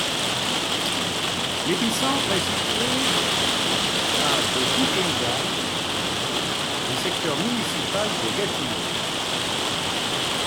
L'épicentre est situé à de Buckingham, un secteur municipal de Gatineau.